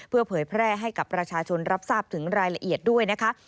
เพื่อเผยแพร่ให้กับประชาชนรับทราบถึงรายละเอียดด้วยนะคะ